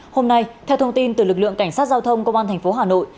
hôm nay theo thông tin từ lực lượng cảnh sát giao thông công an tp hà nội